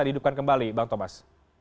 dihidupkan kembali bang tobas